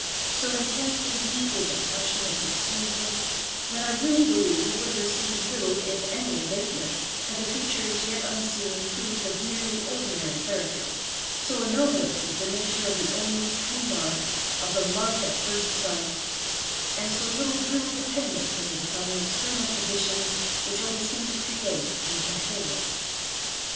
So intense, indeed, was the passion that consumed me, that I really believe it would have received little if any abatement had the features, yet unseen, proved of merely ordinary character; so anomalous is the nature of the only true love—of the love at first sight—and so little really dependent is it upon the external conditions which only seem to create and control it.